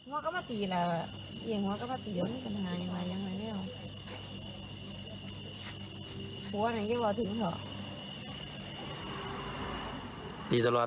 โม้ก็ไม่ตีแล้วแหละเอ่ยโม้ก็ไม่ตีแล้วเนี่ย